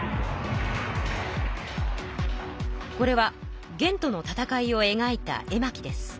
これは元との戦いをえがいた絵まきです。